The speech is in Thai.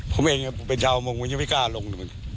ผมเองผมเป็นชาวมงมันยังไม่กล้าลง